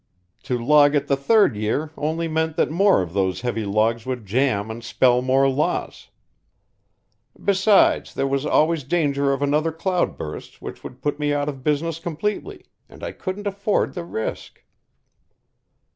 "To log it the third year only meant that more of those heavy logs would jam and spell more loss. Besides, there was always danger of another cloud burst which would put me out of business completely, and I couldn't afford the risk."